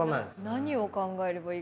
何を考えればいいか。